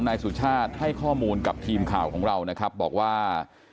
นายสุชาติให้ข้อมูลกับทีมข่าวของเรานะครับบอกว่า